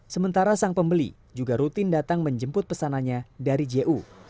sementara sang pembeli juga rutin datang menjemput pesanannya dari ju